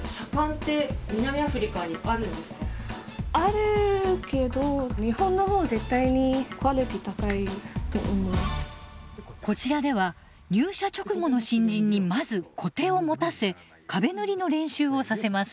あるけどこちらでは入社直後の新人にまずコテを持たせ壁塗りの練習をさせます。